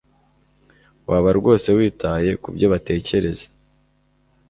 waba rwose witaye kubyo batekereza